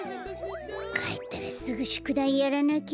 かえったらすぐしゅくだいやらなきゃ。